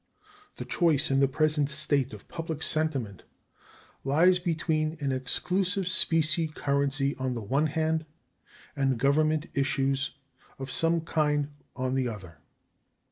The choice in the present state of public sentiment lies between an exclusive specie currency on the one hand and Government issues of some kind on the other.